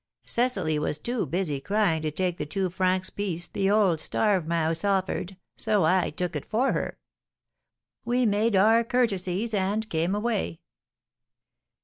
Cecily was too busy crying to take the two francs' piece the old starvemouse offered, so I took it for her. We made our courtesies and came away."